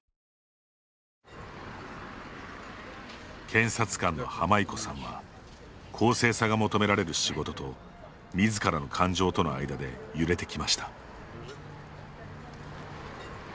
検察官のハマイコさんは公正さが求められる仕事とみずからの感情との間で揺れてきました。